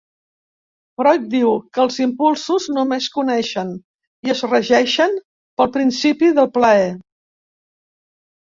Freud diu que els impulsos només coneixen i es regeixen pel principi del plaer.